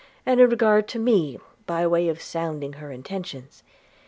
and in regard to me, by way of sounding her intentions.